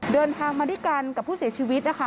เดินทางมาด้วยกันกับผู้เสียชีวิตนะคะ